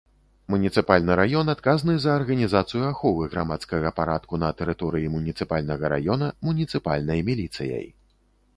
Муніцыпальны раён адказны за арганізацыю аховы грамадскага парадку на тэрыторыі муніцыпальнага раёна муніцыпальнай міліцыяй.